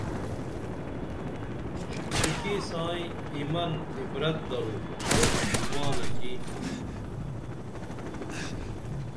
شپٹِکی سائیں ایمن عبرت درو ہر مُسلمانہ کی